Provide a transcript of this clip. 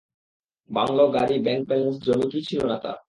Bungalow, গাড়ি, bank balance, জমি কী ছিলো না তার!